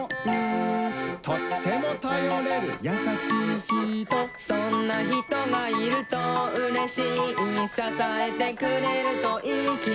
「とってもたよれるやさしいひと」「そんなひとがいるとうれしい」「ささえてくれるといいきもち」